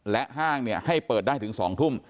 และห้างให้เปิดได้ถึง๒ทุ่ม